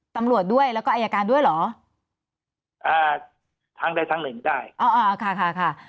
ตำรวจด้วยแล้วก็อายการด้วยเหรออ่าทั้งใดทั้งหนึ่งไม่ได้อ๋ออ่าค่ะค่ะค่ะ